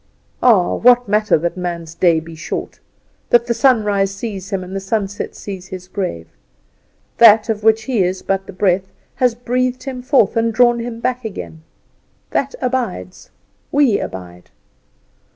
Ah, what matter that man's day be short! that the sunrise sees him, and the sunset sees his grave; that of which he is but the breath has breathed him forth and drawn him back again. That abides we abide."